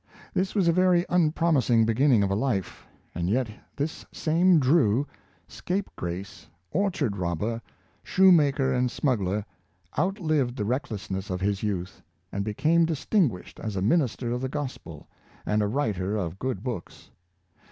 This was a very unpromising beginning of a life; and yet this same Drew, scapegrace, orchard robber, shoe maker and smuggler, outlived the recklessness of his youth, and became distinguished as a minister of the Gospel and a writer of good books.